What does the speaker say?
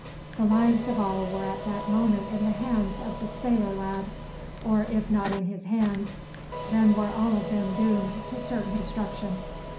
The lives of all were at that moment in the hands of the sailor lad, or if not in his hands, then were all of them doomed to certain destruction.